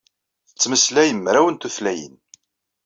Tettmeslay mraw n tutlayin.